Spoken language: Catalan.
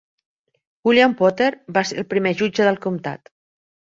William Potter va ser el primer jutge del comtat.